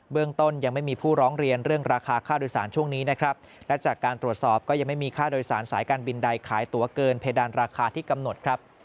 เรื่องต้นยังไม่มีผู้ร้องเรียนเรื่องราคาค่าโดยสารช่วงนี้นะครับและจากการตรวจสอบก็ยังไม่มีค่าโดยสารสายการบินใดขายตัวเกินเพดานราคาที่กำหนดครับ